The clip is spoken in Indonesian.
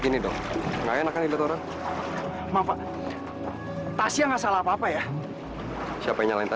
ini dong enggak enakan itu orang orang tasya nggak salah apa apa ya siapainya lain aja